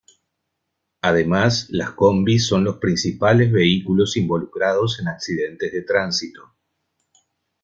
Además, las combis son los principales vehículos involucrados en accidentes de tránsito.